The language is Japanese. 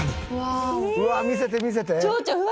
うわ見せて見せて！